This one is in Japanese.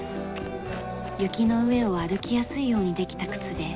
雪の上を歩きやすいようにできた靴で雪原を歩く